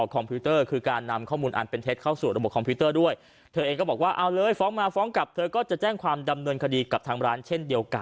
คลิปนี้เหมือนกับว่าทางลูกค้าเขาเดินทางไปหาทางร้านเนอะ